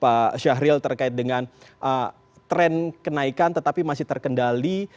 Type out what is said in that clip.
pak syahril terkait dengan tren kenaikan tetapi masih terkendali